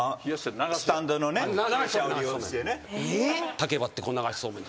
竹割って流しそうめん。